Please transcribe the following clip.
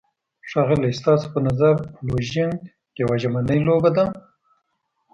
ښاغلی، ستاسو په نظر لوژینګ یوه ژمنی لوبه ده؟